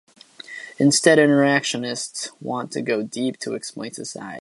Instead, interactionists want to "go deep" to explain society.